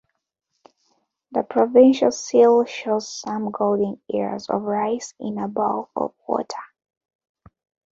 The provincial seal shows some golden ears of rice in a bowl of water.